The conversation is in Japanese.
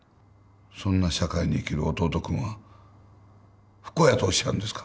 そんな社会に生きる弟君は不幸やとおっしゃるんですか？